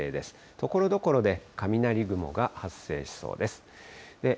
ところどころで雷雲が発生しそうです。